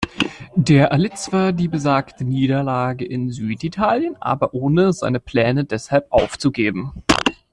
Der erlitt zwar die besagte Niederlage in Süditalien, aber ohne seine Pläne deshalb aufzugeben.